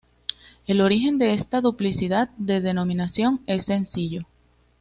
El origen de esta duplicidad de denominación es sencillo.